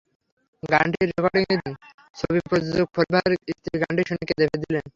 গানটির রেকর্ডিংয়ের দিন ছবির প্রযোজক ফরিদ ভাইয়ের স্ত্রী গানটি শুনে কেঁদে দিলেন।